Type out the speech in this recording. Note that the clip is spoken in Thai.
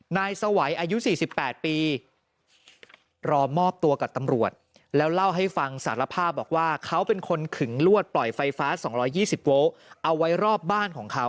นายสวัยอายุ๔๘ปีรอมอบตัวกับตำรวจแล้วเล่าให้ฟังสารภาพบอกว่าเขาเป็นคนขึงลวดปล่อยไฟฟ้า๒๒๐โวลต์เอาไว้รอบบ้านของเขา